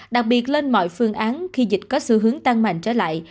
đặc biệt lên mọi phương án khi dịch có xu hướng tăng mạnh trở lại